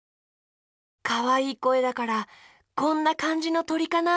かわいいこえだからこんなかんじのとりかな？